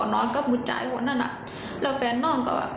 น้องก็บุตจัยกับมันแบบนั้นอ่ะ